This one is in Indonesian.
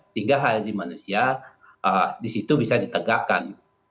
sehingga hak asasi manusia di situ bisa ditegakkan